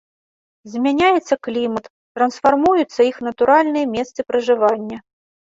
Змяняецца клімат, трансфармуюцца іх натуральныя месцы пражывання.